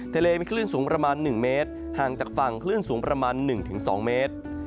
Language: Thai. ทะเลมีคลื่นสูงประมาณ๑เมตรห่างจากฝั่งคลื่นสูงประมาณ๑๒เมตร